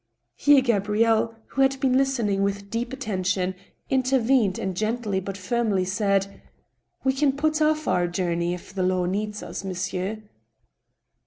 Here Gabrielle, who had been listening with deep attention, in tervened, and gently but firmly said :" We can put off our journey if the law needs us, monsieur."